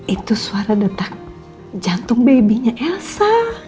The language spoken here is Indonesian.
itu suara detak jantung baby nya elsa